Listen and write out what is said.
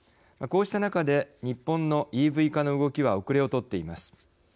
こうした中で日本のＥＶ化の動きは後れを取っています。